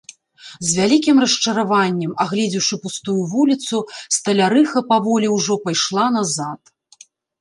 З вялікім расчараваннем, агледзеўшы пустую вуліцу, сталярыха паволі ўжо пайшла назад.